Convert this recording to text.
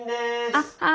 あっはい！